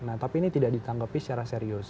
nah tapi ini tidak ditanggapi secara serius